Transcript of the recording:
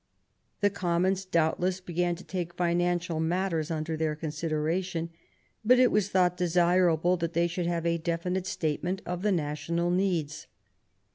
The Commons doubtless began to take financial matters under their consideration, but. it was thought desirable that they should have a definite statement of the national needs.